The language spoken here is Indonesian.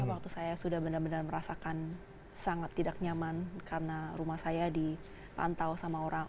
waktu saya sudah benar benar merasakan sangat tidak nyaman karena rumah saya dipantau sama orang